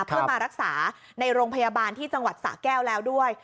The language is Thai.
เพื่อมารักษาในโรงพยาบาลที่จังหวัดสะแก้วแล้วด้วย